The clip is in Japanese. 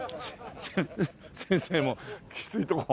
せ先生もきついとこ。